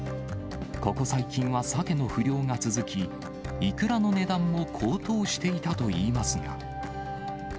ここ最近はサケの不漁が続き、イクラの値段も高騰していたといいますが。